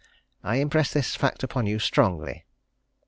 I impress this fact upon you strongly."